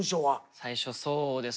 最初そうですね。